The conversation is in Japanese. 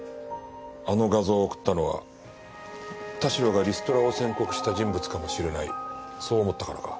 あの画像を送ったのは田代がリストラを宣告した人物かもしれないそう思ったからか？